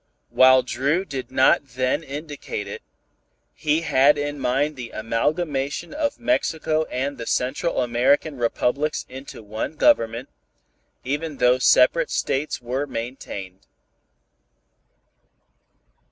While Dru did not then indicate it, he had in mind the amalgamation of Mexico and the Central American Republics into one government, even though separate states were maintained.